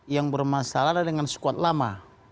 yang bermasalah dengan skuad lama